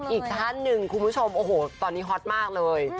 อีกท่านหนึ่งคุณผู้ชมโอ้โหตอนนี้ฮอตมากเลย